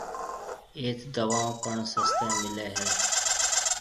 ايٿ دوائون پڻ سستيَ مليَ ھيََََ